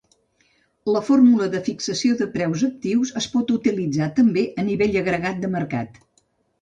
La fórmula de fixació de preus d'actius es pot utilitzar també a nivell agregat de mercat.